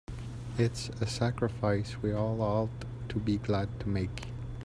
It's a sacrifice we all ought to be glad to make.